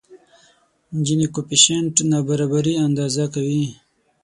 جیني کویفشینټ نابرابري اندازه کوي.